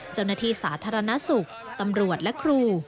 เจ้าหน้าที่สาธารณสุขตำรวจและครู